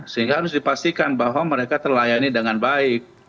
sehingga harus dipastikan bahwa mereka terlayani dengan baik